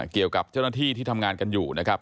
เกี่ยวกับเจ้าหน้าที่ที่ทำงานกันอยู่นะครับ